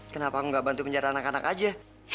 kenapa aku nggak bantu menjaga anak anak aja